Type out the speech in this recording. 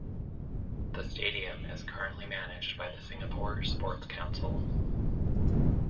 The stadium is currently managed by the Singapore Sports Council.